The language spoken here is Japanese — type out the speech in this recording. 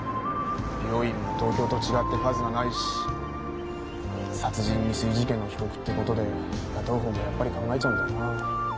美容院も東京と違って数がないし殺人未遂事件の被告ってことで雇う方もやっぱり考えちゃうんだよな。